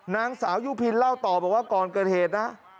นางสาวยุพินเล่าต่อบอกว่าก่อนเกิดเหตุนะ